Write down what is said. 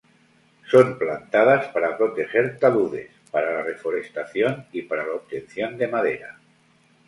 Son plantadas para proteger taludes, para la reforestación, y para la obtención de madera.